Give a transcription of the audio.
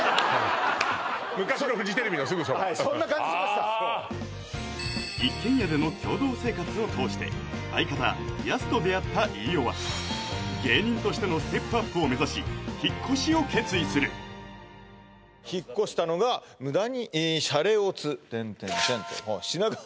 昔のフジテレビのすぐそばそんな感じしましたそう一軒家での共同生活を通して相方やすと出会った飯尾は芸人としてのステップアップを目指し引っ越しを決意する引っ越したのが「無駄にシャレオツ」